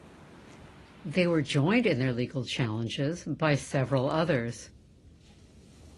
They were joined in their legal challenges by several others.